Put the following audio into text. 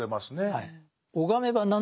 はい。